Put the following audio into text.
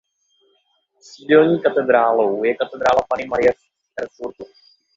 Sídelní katedrálou je katedrála Panny Marie v Erfurtu.